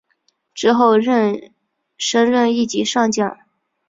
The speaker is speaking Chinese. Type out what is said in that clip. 之后升任一级上将。